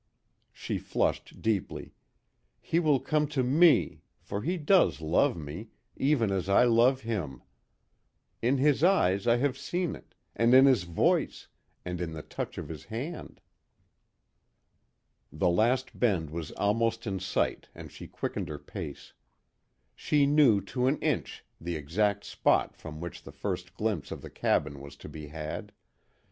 She flushed deeply, "He will come to me for he does love me, even as I love him. In his eyes I have seen it and in his voice and in the touch of his hand." The last bend was almost in sight and she quickened her pace. She knew to an inch, the exact spot from which the first glimpse of the cabin was to be had.